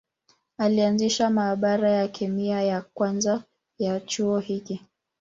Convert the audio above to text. Alianzisha maabara ya kemia ya kwanza ya chuo hiki.